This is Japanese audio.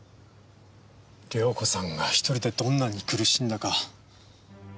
涼子さんが１人でどんなに苦しんだか。